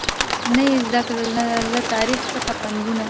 نه یې زده کړل له تاریخ څخه پندونه